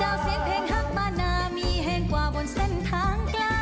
ดาวเสียงเพลงฮักมานามีแห่งกว่าวนเส้นทางไกล